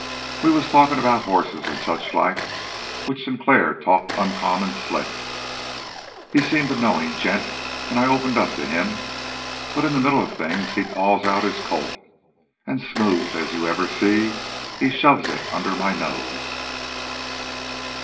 "We was talking about hosses and suchlike, which Sinclair talked uncommon slick. He seemed a knowing gent, and I opened up to him, but in the middle of things he paws out his Colt, as smooth as you ever see, and he shoves it under my nose."